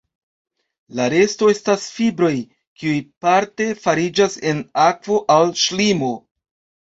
La resto estas fibroj, kiuj parte fariĝas en akvo al ŝlimo.